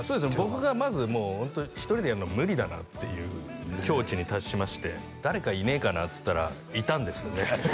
僕がまずホント１人でやるの無理だなっていう境地に達しまして誰かいねえかなっつったらいたんですよね